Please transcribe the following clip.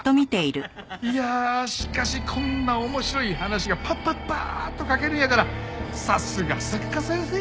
いやあしかしこんな面白い話がパッパッパッと書けるんやからさすが作家先生やて。